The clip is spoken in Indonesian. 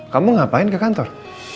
kamu ngapain ke kantor